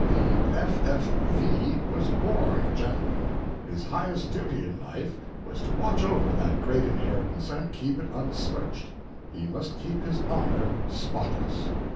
The F. F. V. was born a gentleman; his highest duty in life was to watch over that great inheritance and keep it unsmirched. He must keep his honor spotless.